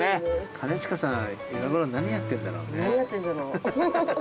兼近さん今ごろ何やってんだろうね。